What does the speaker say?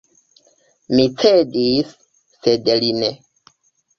Mi cedis, sed li ne.